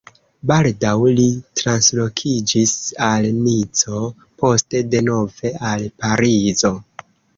Baldaŭ li translokiĝis al Nico, poste denove al Parizo.